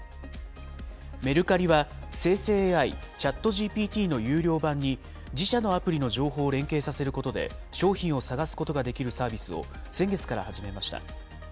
メルカリは生成ＡＩ・ＣｈａｔＧＰＴの有料版に自社のアプリを連携させることで、商品を探すことができるサービスを先月から始めました。